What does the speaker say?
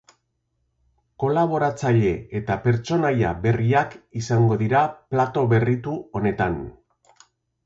Kolaboratzaile eta pertsonaia berriak izango dira plato berritu honetan.